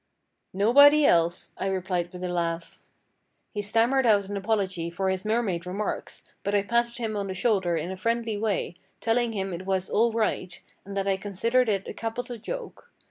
"Nobody else," I replied with a laugh. He stammered out an apology for his mermaid remarks, but I patted him on the shoulder in a friendly way, telling him it was "all right," and that I considered it a capital joke.